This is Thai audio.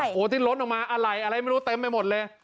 โอ้โหที่ล้นออกมาอะไรอะไรไม่รู้เต็มไปหมดเลย